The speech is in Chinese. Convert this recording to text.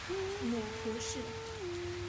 母屠氏。